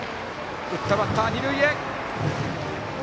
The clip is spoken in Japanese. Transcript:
打ったバッターは二塁へ。